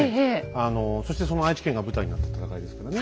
あのそしてその愛知県が舞台になった戦いですからね。